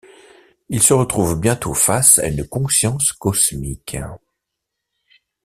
Il se retrouve bientôt face à une conscience cosmique.